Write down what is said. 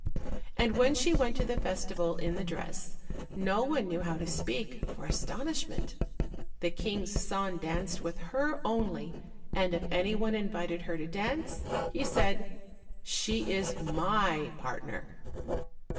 And when she went to the festival in the dress, no one knew how to speak for astonishment. The King's son danced with her only, and if any one invited her to dance, he said, "She is my partner."